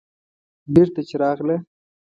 بېرته چې راغله.